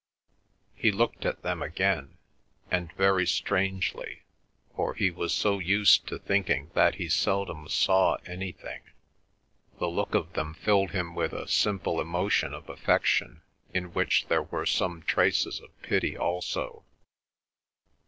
He looked at them again, and, very strangely, for he was so used to thinking that he seldom saw anything, the look of them filled him with a simple emotion of affection in which there were some traces of pity also.